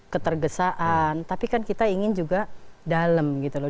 ketergesaan tapi kan kita ingin juga dalam gitu loh